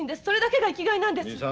それだけが生きがいなんです！